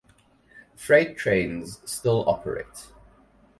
Freight trains still operate.